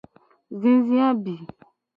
Zizi abi.